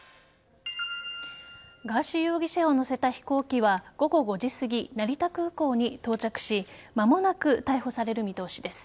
ガーシー容疑者を乗せた飛行機は午後５時すぎ成田空港に到着し間もなく逮捕される見通しです。